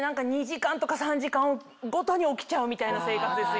２時間とか３時間ごとに起きちゃうみたいな生活です